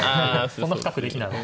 そんな深くできないので。